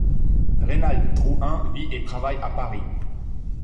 Reynald Drouhin vit et travaille à Paris.